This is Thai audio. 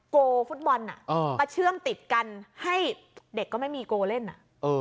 โกลฟุตบอลอ่ะมาเชื่อมติดกันให้เด็กก็ไม่มีโกลเล่นอ่ะ